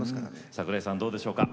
桜井さんどうでしょうか？